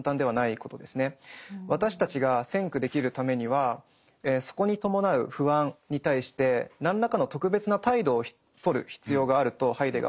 私たちが「先駆」できるためにはそこに伴う不安に対して何らかの特別な態度をとる必要があるとハイデガーは考えていました。